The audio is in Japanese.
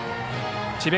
智弁